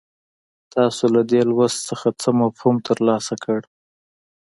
تاسو له دې لوست څخه څه مفهوم ترلاسه کړ.